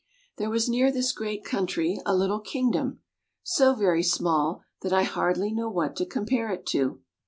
There was near this great country a little kingdom, so very small that I hardly know what to compare it to.